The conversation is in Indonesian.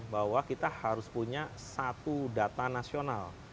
bahwa kita harus punya satu data nasional